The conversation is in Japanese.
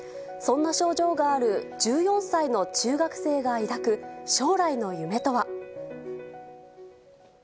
そんな症状がある１４歳の中学生がいだく、将来の夢とは。